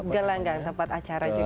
gelanggang tempat acara juga